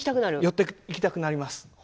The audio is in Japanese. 寄っていきたくなります。